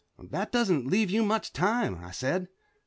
"That doesn't leave you much time," I said.